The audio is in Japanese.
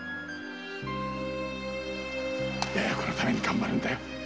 幼子のために頑張るんだよ。